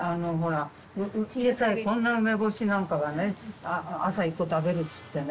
小さいこんな梅干しなんかがね朝１個食べると言ってね